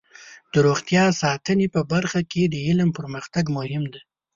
د روغتیا ساتنې په برخه کې د علم پرمختګ مهم دی.